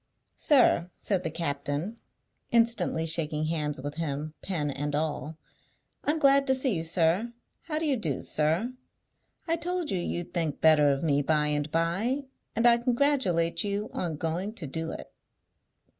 "Sir," said the captain, instantly shaking hands with him, pen and all, "I'm glad to see you, sir. How do you do, sir? I told you you'd think better of me by and by, and I congratulate you on going to do it."